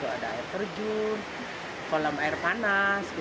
ada air terjun kolam air panas